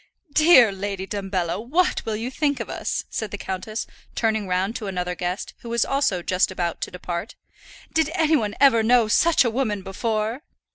"Dear Lady Dumbello, what will you think of us?" said the countess, turning round to another guest, who was also just about to depart. "Did any one ever know such a woman before?"